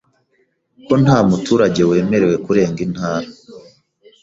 ko nta muturage wemerewe kurenga intara